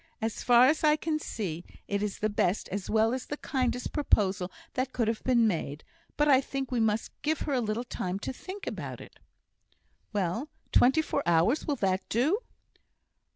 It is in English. As far as I can see, it is the best as well as the kindest proposal that could have been made; but I think we must give her a little time to think about it." "Well, twenty four hours! Will that do?"